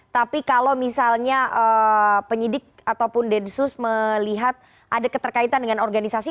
tapi kalau misalnya penyidik ataupun densus melihat ada keterkaitan dengan organisasi